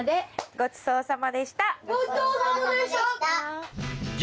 ごちそうさまでした。